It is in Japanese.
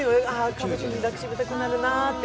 家族抱きしめたくなるなって。